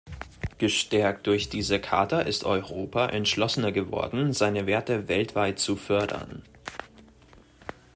Gestärkt durch diese Charta ist Europa entschlossener geworden, seine Werte weltweit zu fördern.